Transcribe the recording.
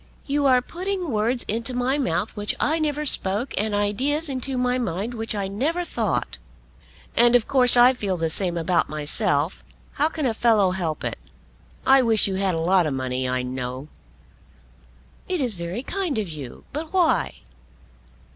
"You are putting words into my mouth which I never spoke, and ideas into my mind which I never thought." "And of course I feel the same about myself. How can a fellow help it? I wish you had a lot of money, I know." "It is very kind of you; but why?"